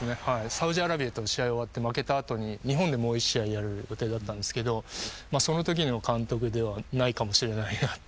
サウジアラビアとの試合終わって負けた後に日本でもう１試合やる予定だったんですけどそのときの監督ではないかもしれないなって。